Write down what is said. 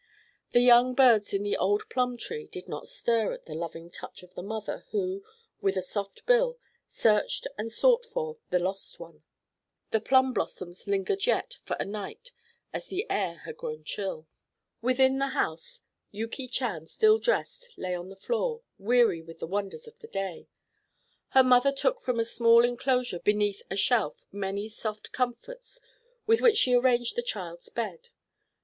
The young birds in the old plum tree did not stir at the loving touch of the mother who, with a soft bill, searched and sought for the lost one. The plum blossoms lingered yet for a night as the air had grown chill. Within the house Yuki Chan, still dressed, lay on the floor, weary with the wonders of the day. Her mother took from a small inclosure beneath a shelf many soft comforts with which she arranged the child's bed.